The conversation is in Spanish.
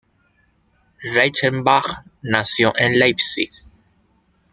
Reichenbach nació en Leipzig.